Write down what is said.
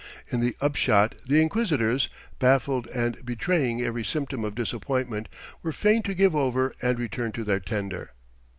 In the upshot the inquisitors, baffled and betraying every symptom of disappointment, were fain to give over and return to their tender.